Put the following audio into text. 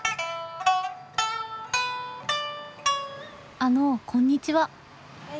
あのこんにちは。